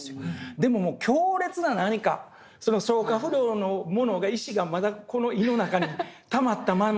でも強烈な何かその消化不良のものが石がまだこの胃の中にたまったままであるというか。